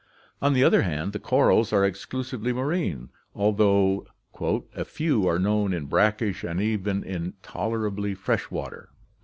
On the other hand, the corals are exclusively marine although "a few are known in brackish and even in tolerably fresh water.